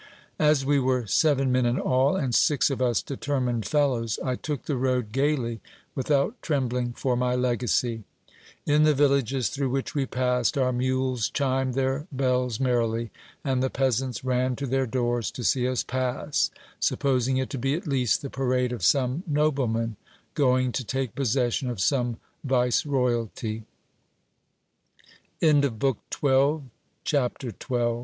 As we were seven men in all, and six of us determined fellows, I took the road gaily, without trembling for my legacy. In the villages through which we passed our mules chimed their bells merrily, and the peasants ran to their doors to see us pass, supposing it to be at least the parade of some nobleman going to take po